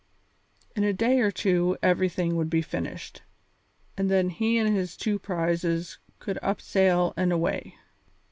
In a day or two everything would be finished, and then he and his two prizes could up sail and away.